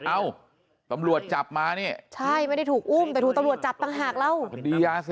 เอ้าตำรวจจับมาเนี่ย